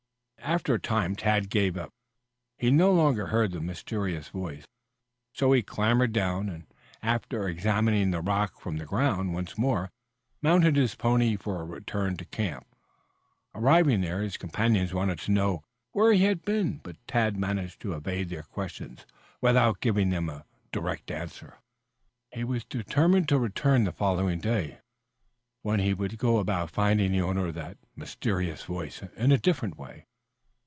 After a time Tad gave it up. He no longer heard the mysterious voice, so he clambered down, and after examining the rock from the ground once more, mounted his pony for return to camp. Arriving there, his companions wanted to know where he had been, but Tad managed to evade their question without giving them a direct answer. He was determined to return on the following day, when he would go about finding the owner of the mysterious voice in a different way.